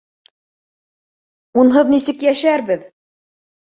Унһыҙ нисек йәшәрбеҙ?!